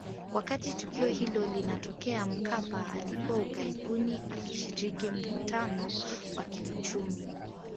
Wakati tukio hilo linatokea Mkapa alikuwa ughaibuni akishiriki mkutano wa kiuchumi